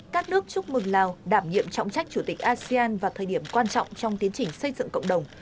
các nước chúc mừng lào đảm nhiệm trọng trách chủ tịch asean vào thời điểm quan trọng trong tiến trình xây dựng cộng đồng